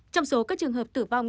trong số các trường hợp tử vong